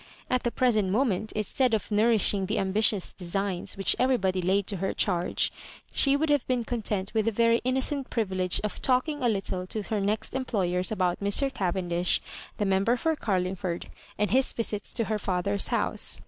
At the present moment, instead of nourishing the ambitious designs which everybody laid to her charge, she would have been content with the very innocent privilege of talking a little to her next employers about Mr. Cavendish, the member for Carlingford, a^d his visits to her father's house.